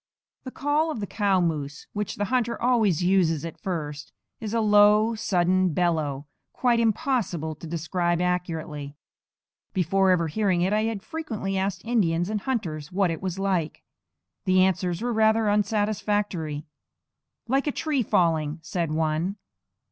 The call of the cow moose, which the hunter always uses at first, is a low, sudden bellow, quite impossible to describe accurately. Before ever hearing it, I had frequently asked Indians and hunters what it was like. The answers were rather unsatisfactory. "Like a tree falling," said one.